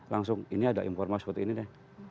langsung ini ada informasi seperti ini deh